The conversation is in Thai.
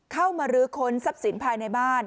เข้ามาลื้อคนทรัพย์สินภายในบ้าน